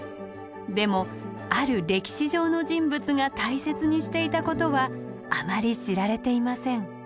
でもある歴史上の人物が大切にしていたことはあまり知られていません。